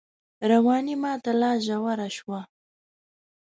رواني ماته لا ژوره شوه